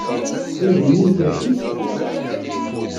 Aydi-nni ikerrec-iyi seg ufus.